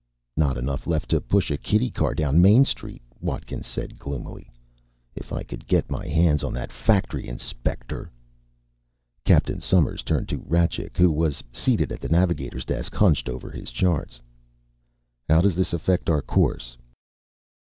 "Not enough left to push a kiddy car down Main Street," Watkins said gloomily. "If I could get my hands on that factory inspector ..." Captain Somers turned to Rajcik, who was seated at the navigator's desk, hunched over his charts. "How does this affect our course?"